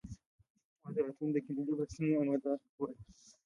د وزارتونو د کلیدي بستونو اماده کول.